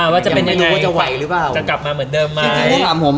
ว่าจะเป็นยังไงจะกลับมาเหมือนเดิมไหม